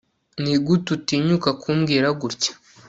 Nigute utinyuka kumbwira gutya